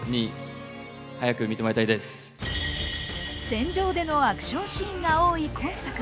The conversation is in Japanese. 戦場でのアクションシーンが多い今作。